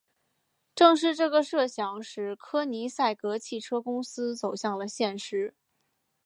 正是这个设想使柯尼塞格汽车公司走向了现实。